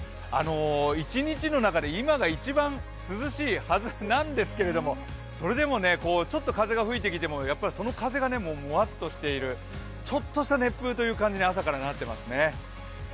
一日の中で今が一番涼しいはずなんですけれども、それでもちょっと風が吹いてきても、その風がもうもわっとしている、ちょっとした熱風といった感じに朝からなってますね。